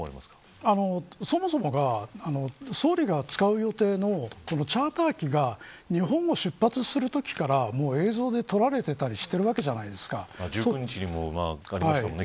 そもそもが、総理が使う予定のチャーター機が日本を出発するときから映像で撮られていたり１９日にもありましたもんね。